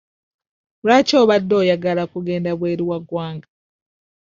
Lwaki obadde oyagala kugenda bweru wa ggwanga?